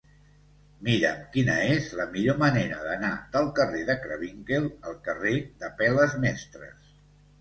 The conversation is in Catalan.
Mira'm quina és la millor manera d'anar del carrer de Craywinckel al carrer d'Apel·les Mestres.